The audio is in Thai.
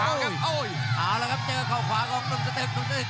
เอาเลยครับเจอเขาขวากลอง